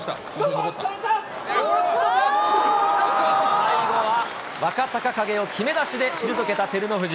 最後は若隆景をきめ出しで退けた照ノ富士。